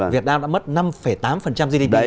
việt nam đã mất năm tám gdp